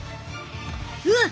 うわっ！